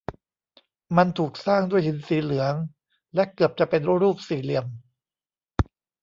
มันถูกสร้างด้วยหินสีเหลือง และเกือบจะเป็นรูปสี่เหลี่ยม